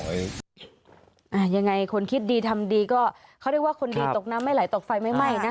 ยังไงคนคิดดีทำดีก็เขาเรียกว่าคนดีตกน้ำไม่ไหลตกไฟไม่ไหม้นะ